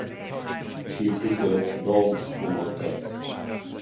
She prefers dogs over cats.